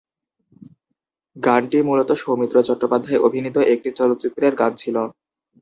গানটি মূলত সৌমিত্র চট্টোপাধ্যায় অভিনীত একটি চলচ্চিত্রের গান ছিল।